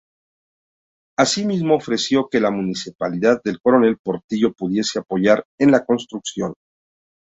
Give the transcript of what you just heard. Así mismo ofreció que la municipalidad de Coronel Portillo pudiese apoyar en la construcción.